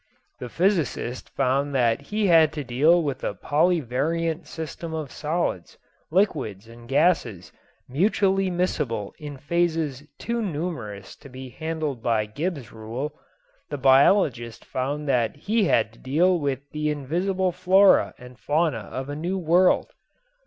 The physicist found that he had to deal with a polyvariant system of solids, liquids and gases mutually miscible in phases too numerous to be handled by Gibbs's Rule. The biologist found that he had to deal with the invisible flora and fauna of a new world.